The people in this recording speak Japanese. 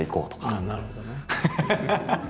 ああなるほどね。